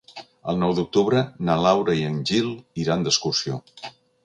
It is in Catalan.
El nou d'octubre na Laura i en Gil iran d'excursió.